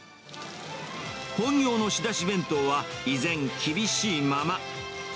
本業の仕出し弁当は依然、厳しいまま。